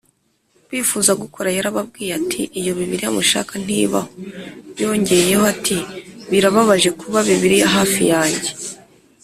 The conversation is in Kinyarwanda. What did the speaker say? bifuza gukora yarababwiye ati iyo Bibiliya mushaka ntibaho Yongeyeho ati birababaje kuba Bibiliya hafi yanjye